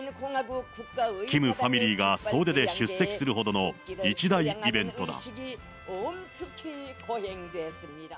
キムファミリーが総出で出席するほどの一大イベントだ。